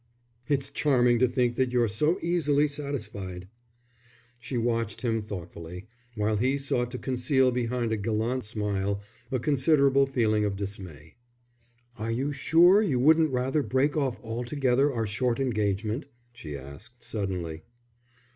"It's charming to think that you're so easily satisfied." She watched him thoughtfully, while he sought to conceal behind a gallant smile a considerable feeling of dismay. "Are you sure you wouldn't rather break off altogether our short engagement?" she asked, suddenly.